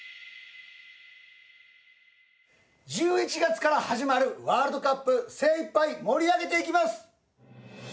１１月から始まるワールドカップ精いっぱい盛り上げていきます！